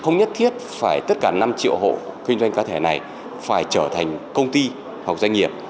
không nhất thiết phải tất cả năm triệu hộ kinh doanh cá thể này phải trở thành công ty hoặc doanh nghiệp